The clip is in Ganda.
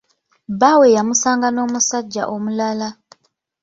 Bbaawe yamusanga n'omusajja omulala.